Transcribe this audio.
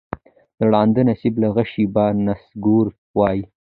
د ړانده نصیب له غشي به نسکور وای